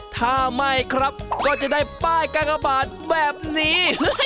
ถ้าไม่ครับก็จะได้ป้ายกางกบาทแบบนี้